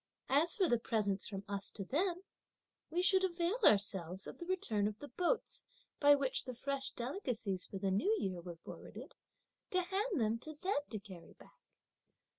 As for the presents from us to them, we should avail ourselves of the return of the boats, by which the fresh delicacies for the new year were forwarded, to hand them to them to carry back."